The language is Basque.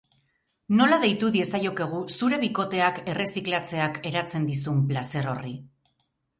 Nola deitu diezaiokegu zure bikoteak erreziklatzeak eratzen dizun plazer horri?